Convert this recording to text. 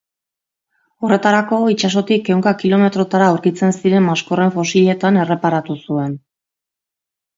Horretarako, itsasotik ehunka kilometrotara aurkitzen ziren maskorren fosiletan erreparatu zuen.